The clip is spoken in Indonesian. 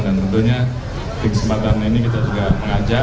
dan tentunya di kesempatan ini kita juga mengajak